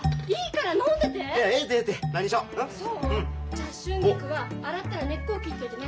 じゃあ春菊は洗ったら根っこを切っといてね。